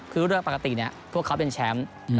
คือเรื่องปกติพวกเขาเป็นแชมป์